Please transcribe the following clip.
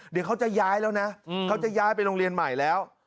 เดี๋ยวเขาจะย้ายแล้วนะเขาจะย้ายไปโรงเรียนใหม่แล้ว